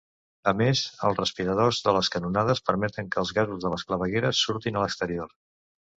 A més, els respiradors de les canonades permeten que els gasos de les clavegueres surtin a l'exterior.